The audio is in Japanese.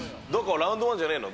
ラウンドワンじゃねえの？